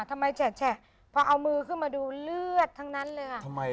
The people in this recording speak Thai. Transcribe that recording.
ทำไมแฉะแฉะเพราะเอามือขึ้นมาดูเลือดทั้งนั้นเลยค่ะ